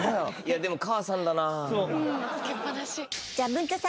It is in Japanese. でも母さんだな。